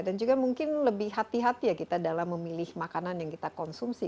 dan juga mungkin lebih hati hati ya kita dalam memilih makanan yang kita konsumsi